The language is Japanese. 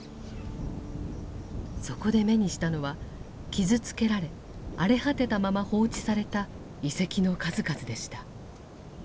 そこで目にしたのは傷つけられ荒れ果てたまま放置された遺跡の数々でした。